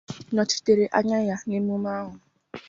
nọchitere anya ya na mmemme ahụ